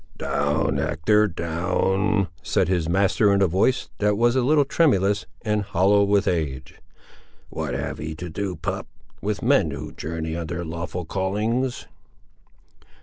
"Down, Hector, down," said his master, in a voice, that was a little tremulous and hollow with age. "What have ye to do, pup, with men who journey on their lawful callings?"